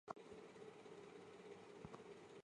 你春节假期有没有空呀？我想约你一起出来玩。